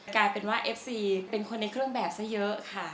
กลายเป็นว่าเอฟซีเป็นคนในเครื่องแบบซะเยอะค่ะ